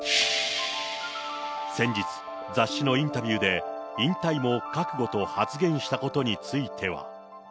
先日、雑誌のインタビューで、引退も覚悟と発言したことについては。